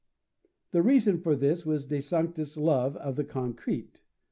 The reason for this was De Sanctis' love of the concrete.